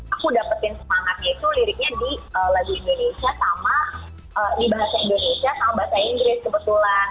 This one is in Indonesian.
aku dapetin semangat ya itu liriknya di lagu indonesia sama dibahasa indonesia sama bahasa inggris kebetulan